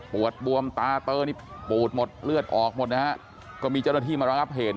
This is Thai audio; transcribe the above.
ปวดบวมตาเตอนี่ปูดหมดเลือดออกหมดนะฮะก็มีเจ้าหน้าที่มาระงับเหตุ